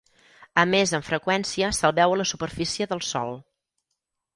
A més amb freqüència se'l veu a la superfície del sòl.